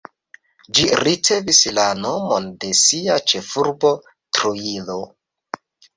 Ĝi ricevis la nomon de sia ĉefurbo, Trujillo.